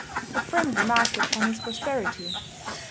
A friend remarked upon his prosperity.